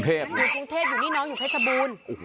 เป็นอยู่กรุงเทพอยู่นี่น้องเคทชะบูน